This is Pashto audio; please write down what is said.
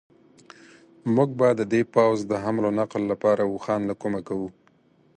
موږ به د دې پوځ د حمل و نقل لپاره اوښان له کومه کوو.